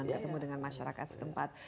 ketemu dengan masyarakat setempat